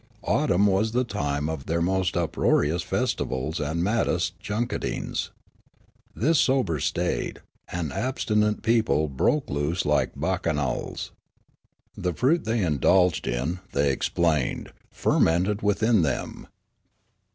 Autumn was the time of their most up roarious festivals and maddest junketings. This sober, staid, and abstinent people broke loose like bacchanals. The fruit they indulged in, they explained, fermented within them.